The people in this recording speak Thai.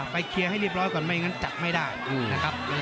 ไปเคลียร์ให้เรียบร้อยก่อนไม่อย่างนั้นจัดไม่ได้